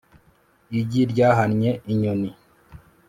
igi ryahannye inyoni